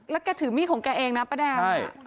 แล้วแกถือมีดของแกเองนะป้าแดง